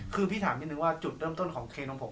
คือพี่ถามนิดนึงว่าจุดเริ่มต้นของเคนมผง